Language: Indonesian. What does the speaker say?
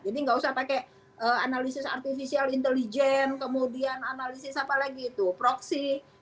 jadi tidak usah pakai analisis artificial intelligence kemudian analisis apa lagi itu proxy